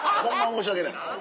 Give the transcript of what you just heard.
申し訳ない。